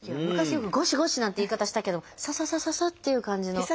昔よくゴシゴシなんて言い方したけどサササササっていう感じの。